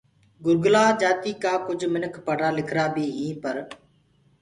گُرگَلا جآتي ڪآ ڪجھ مِنک پڙهرآ لکرا بي هيٚنٚ پر